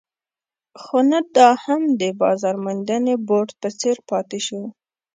خو نه دا هم د بازار موندنې بورډ په څېر پاتې شو.